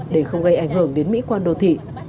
để không gây ảnh hưởng đến mỹ quan đô thị